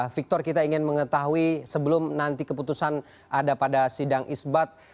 victor kita ingin mengetahui sebelum nanti keputusan ada pada sidang isbat